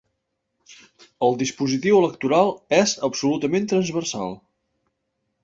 El dispositiu electoral és absolutament transversal.